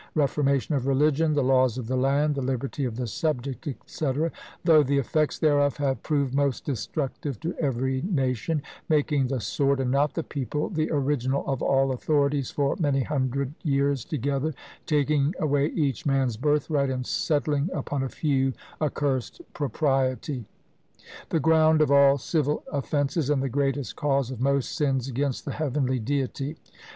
reformation of religion, the laws of the land, the liberty of the subject, &c. though the effects thereof have proved most destructive to every nation; making the sword, and not the people, the original of all authorities for many hundred years together, taking away each man's birthright, and settling upon a few A CURSED PROPRIETY; the ground of all civil offences, and the greatest cause of most sins against the heavenly Deity.